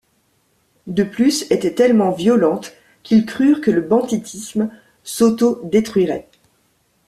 De plus, étaient tellement violentes qu’ils crurent que le banditisme s’autodétruirait.